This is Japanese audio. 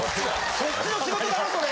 そっちの仕事だろそれ。